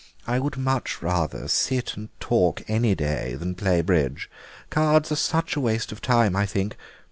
I would much rather sit and talk any day than play bridge; cards are such a waste of time, I think.